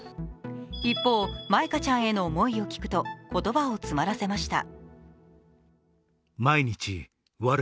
一方、舞香ちゃんへの思いを聞くと言葉を詰まらせました。